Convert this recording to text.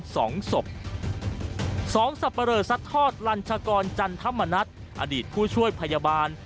สองสับร่สัตว์ทอดรัญชากรจันทร์ธรรมนัทอดีตผู้ช่วยพยาบาล